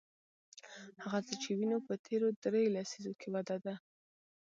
هغه څه چې وینو په تېرو درې لسیزو کې وده ده.